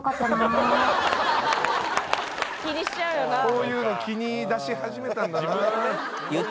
こういうの気にだし始めたんだな。